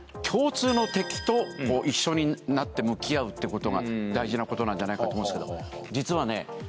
共通の敵と一緒になって向き合うってことが大事なことなんじゃないかと思うんですけど実はね